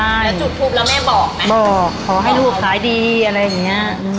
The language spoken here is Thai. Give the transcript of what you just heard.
แล้วจุดทูปแล้วแม่บอกไหมบอกขอให้ลูกขายดีอะไรอย่างเงี้ย